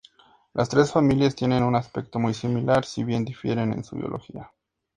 Las tres familias tienen un aspecto muy similar, si bien difieren en su biología.